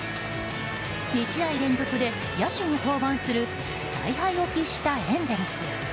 ２試合連続で野手が登板する大敗を喫したエンゼルス。